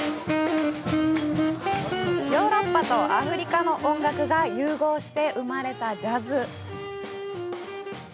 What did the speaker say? ヨーロッパとアフリカの音楽が融合して生まれたジャズ。